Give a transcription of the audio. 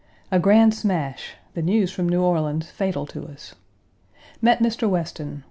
A grand smash, the news from New Orleans fatal to us. Met Mr. Weston.